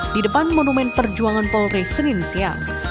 di depan monumen perjuangan polri senin siang